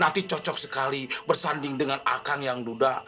nanti cocok sekali bersanding dengan kang yang muda